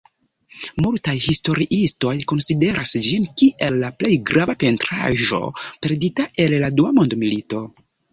Multaj historiistoj konsideras ĝin kiel la plej grava pentraĵo perdita el la Dua Mondmilito.